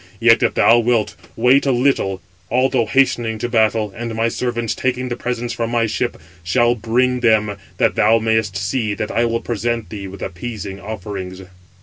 Yet, if thou wilt, wait a little, although hastening to battle, and my servants, taking the presents from my ship, shall bring them, that thou mayest see that I will present [thee] with appeasing offerings."